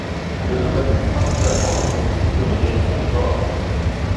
Il automatise principalement le processus de redirection de port.